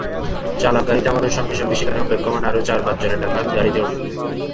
চালক গাড়ি থামানোর সঙ্গে সঙ্গে সেখানে অপেক্ষমাণ আরও চার-পাঁচজন ডাকাত গাড়িতে ওঠে।